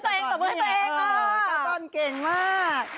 เจ้าจ้อนเก่งมาก